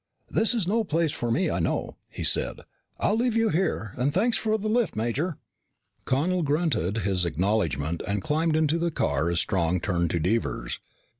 "This is no place for me, I know," he said. "I'll leave you here. And thanks for the lift, Major." Connel grunted his acknowledgment and climbed into the car as Strong turned to Devers.